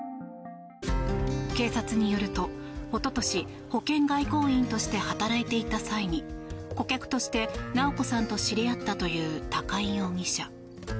警察によると、おととし保険外交員として働いていた際に顧客として直子さんと知り合ったという高井容疑者。